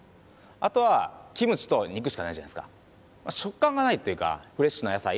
あとはキムチと肉しかないじゃないですか食感がないっていうかフレッシュな野菜？